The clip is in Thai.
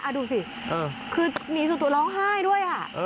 อ่ะดูสิคือนีสุดตัวร้องไห้ด้วยอ่ะ